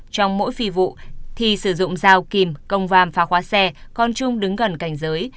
trong mỗi phi vụ thi sử dụng dao kìm công vam phá khóa xe con trung đứng gần cảnh giới